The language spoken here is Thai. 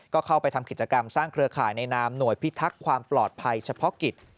ก็เข้าไปทำกิจกรรมสร้างเครือข่ายในนามหน่วยพิทักษ์ความปลอดภัยเฉพาะกิจ